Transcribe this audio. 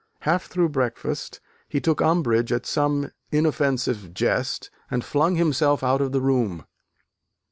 Half through breakfast, he took umbrage at some inoffensive jest, and flung himself out of the room.